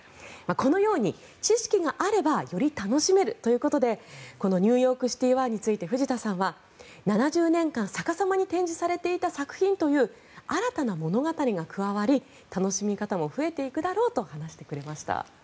このように知識があればより楽しめるということでこの「ニューヨークシティ１」について、藤田さんは７０年間、逆さまに展示されていた作品という新たな物語が加わり楽しみ方も増えていくだろうと話してくれました。